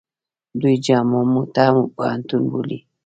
دوی جامعه موته پوهنتون بولي.